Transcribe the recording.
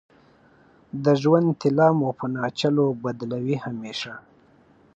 د ژوند طلا مو په ناچلو بدلوې همیشه